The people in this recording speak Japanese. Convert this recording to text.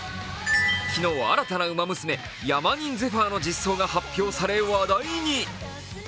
昨日新たなウマ娘ヤマニンゼファーの実装が発表され話題に。